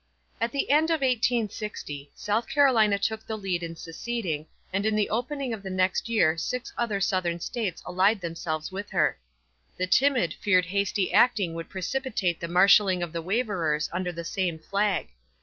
At the end of 1860, South Carolina took the lead in seceding, and in the opening of the next year six other Southern States allied themselves with her. The timid feared hasty acting would precipitate the marshaling of the waverers under the same flag.